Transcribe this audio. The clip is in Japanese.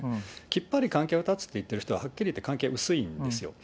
きっぱり関係を断つって言われる人は、はっきり言って関係薄いんですよ。